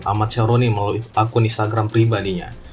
ahmad syaruni melalui akun instagram pribadinya